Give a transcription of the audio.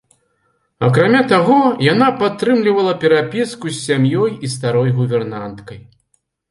Акрамя таго, яна падтрымлівала перапіску з сям'ёй і старой гувернанткай.